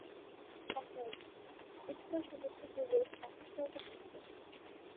অতএব গুপ্তসমিতিগুলির সংস্রবে থাকিবেন না।